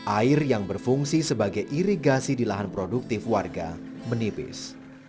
air yang berfungsi sebagai irigasi di lahan produktif warga menipis